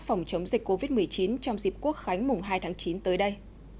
phòng chống dịch covid một mươi chín trong dịp quốc khánh mùng hai tháng chín tới đây